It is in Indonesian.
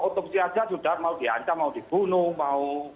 otopsi aja sudah mau diancam mau dibunuh